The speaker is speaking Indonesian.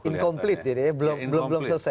incomplete ini ya belum selesai